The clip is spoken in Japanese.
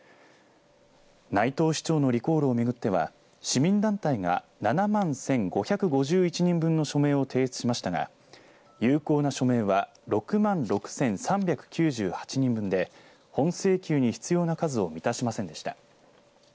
内藤市長のリコールを巡っては市民団体が７万１５５１人分の署名を提出しましたが有効な署名は６万６３９８人分で本請求に必要な数を満たしませんでした。